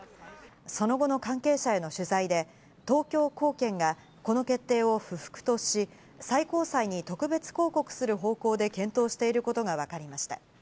その後の関係者への取材で、東京高検がこの決定を不服とし、最高裁に特別抗告する方向で検討していることがわかりました。